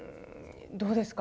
どうですか？